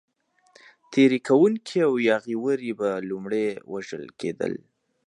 تېري کوونکي او یاغي وري به لومړی وژل کېدل.